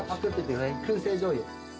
くん製じょうゆ